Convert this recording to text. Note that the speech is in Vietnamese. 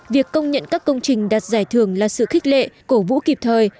việc công nhận các công trình đạt giải thưởng là sự khích lệ cổ vũ kịp thời